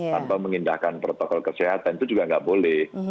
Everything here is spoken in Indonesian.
tanpa mengindahkan protokol kesehatan itu juga nggak boleh